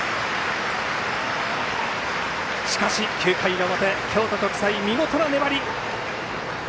しかし９回の表京都国際、見事な粘り。